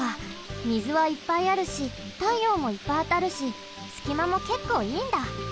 みずはいっぱいあるしたいようもいっぱいあたるしすきまもけっこういいんだ。